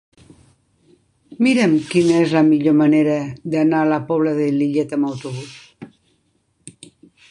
Mira'm quina és la millor manera d'anar a la Pobla de Lillet amb autobús.